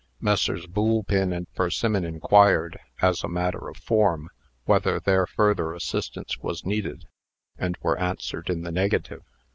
Messrs. Boolpin and Persimmon inquired, as a matter of form, whether their further assistance was needed, and were answered in the negative.